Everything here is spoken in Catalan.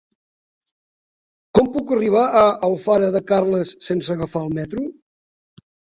Com puc arribar a Alfara de Carles sense agafar el metro?